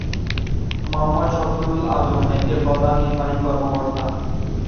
মোহাম্মদ শফিউল আজম ব্যাংকের প্রধান নির্বাহী কর্মকর্তা।